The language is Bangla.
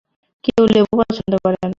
কেউই লেবু পছন্দ করে না।